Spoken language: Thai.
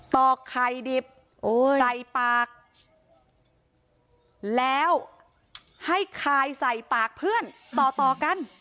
ต่อไข่ดิบโอ้ยใส่ปากแล้วให้คลายใส่ปากเพื่อนต่อกัน